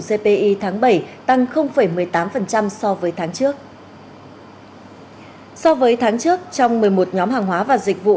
cpi tháng bảy tăng một mươi tám so với tháng trước so với tháng trước trong một mươi một nhóm hàng hóa và dịch vụ